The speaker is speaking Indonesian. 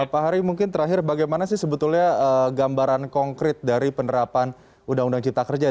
pak hari mungkin terakhir bagaimana sih sebetulnya gambaran konkret dari penerapan undang undang cipta kerja